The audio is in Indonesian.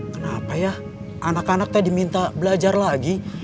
kenapa ya anak anaknya diminta belajar lagi